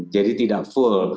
jadi tidak full